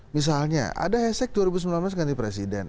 misalnya ada hashtag dua ribu sembilan belas ganti presiden